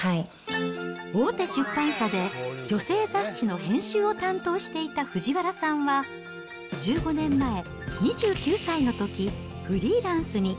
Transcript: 大手出版社で女性雑誌の編集を担当していた藤原さんは、１５年前、２９歳のとき、フリーランスに。